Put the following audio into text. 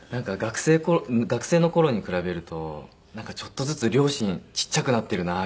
学生の頃に比べるとなんかちょっとずつ両親ちっちゃくなってるなみたいな。